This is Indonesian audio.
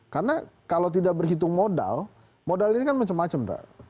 karena kalau tidak berhitung modal modal ini kan macam macam